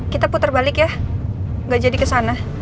kita puter balik ya gak jadi kesana